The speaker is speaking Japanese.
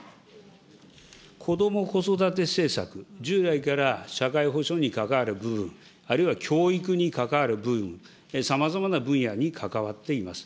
こども・子育て政策、従来から社会保障に関わる部分、あるいは教育に関わる部分、さまざまな分野にかかわっています。